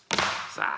さあ